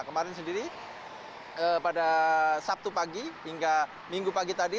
kemarin sendiri pada sabtu pagi hingga minggu pagi tadi